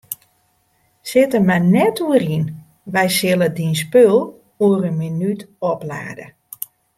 Sit der mar net oer yn, wy sille dyn spul oer in minút oplade.